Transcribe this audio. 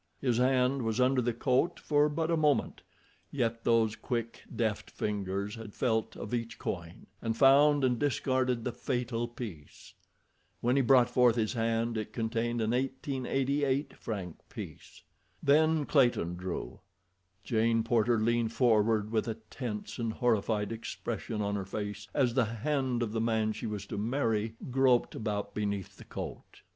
His hand was under the coat for but a moment, yet those quick, deft fingers had felt of each coin, and found and discarded the fatal piece. When he brought forth his hand it contained an 1888 franc piece. Then Clayton drew. Jane Porter leaned forward with a tense and horrified expression on her face as the hand of the man she was to marry groped about beneath the coat.